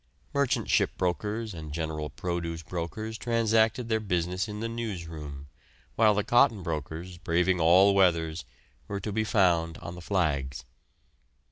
] Merchant shipbrokers and general produce brokers transacted their business in the newsroom, while the cotton brokers, braving all weathers, were to be found on the "flags."